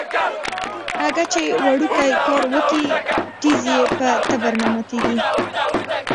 اگه چې وړوکی کار وکي ټيز يې په تبر نه ماتېږي.